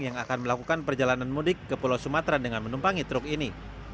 yang akan melakukan perjalanan mudik ke pulau sumatera dengan menumpangi truk ini